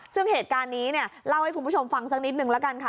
ซึ่งเหตุการณ์นี้เนี่ยเล่าให้คุณผู้ชมฟังสักนิดนึงละกันค่ะ